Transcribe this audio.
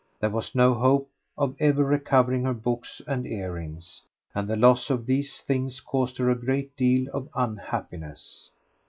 There was no hope of ever recovering her books and earrings, and the loss of these things caused her a great deal of unhappiness.